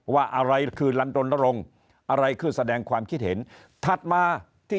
ว่าอะไรคือลันดรณรงค์อะไรคือแสดงความคิดเห็นถัดมาที่